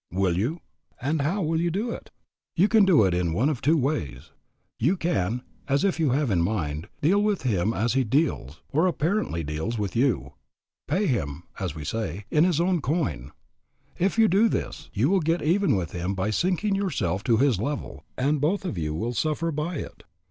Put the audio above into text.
Will you? And how will you do it? You can do it in one of two ways. You can, as you have in mind, deal with him as he deals, or apparently deals, with you, pay him, as we say, in his own coin. If you do this you will get even with him by sinking yourself to his level, and both of you will suffer by it.